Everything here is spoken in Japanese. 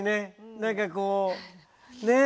何かこうね